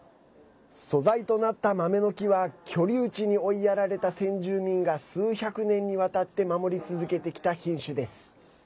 素材となった豆の木は居留地に追いやられた先住民が数百年にわたって守り続けてきた品種です。